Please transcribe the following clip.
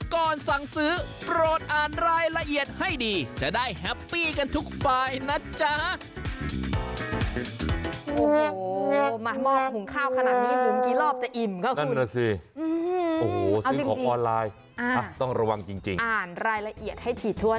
ก่อนสั่งซื้อโปรดอ่านรายละเอียดให้ดีจะได้แฮปปี้กันทุกฝ่ายนะจ๊ะ